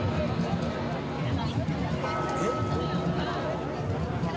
えっ？